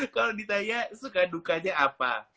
kalau ditanya suka dukanya apa